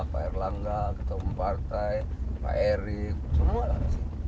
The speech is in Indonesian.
pak erlangga ketua pempartai pak erick semua lah